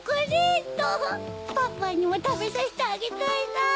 パパにもたべさせてあげたいな！